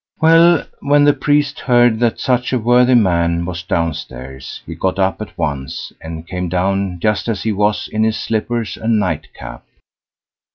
Well! when the priest heard that such a worthy man was downstairs, he got up at once, and came down just as he was, in his slippers and nightcap.